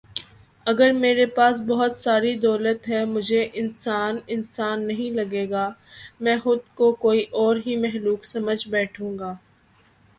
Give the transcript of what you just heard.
اگر میرے پاس بہت ساری دولت ہے مجھے انسان انسان نہیں لگے گا۔۔ می خود کو کوئی اور ہی مخلوق سمجھ بیٹھوں گا